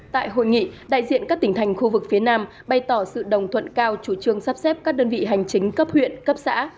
tại hội nghị đại diện các tỉnh thành khu vực phía nam bày tỏ sự đồng thuận cao chủ trương sắp xếp các đơn vị hành chính cấp huyện cấp xã